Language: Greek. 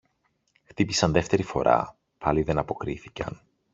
Χτύπησαν δεύτερη φορά, πάλι δεν αποκρίθηκαν.